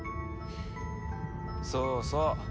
そうそう。